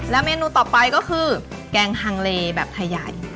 เมนูต่อไปก็คือแกงฮังเลแบบไทยใหญ่